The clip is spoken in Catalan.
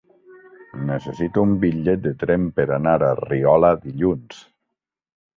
Necessito un bitllet de tren per anar a Riola dilluns.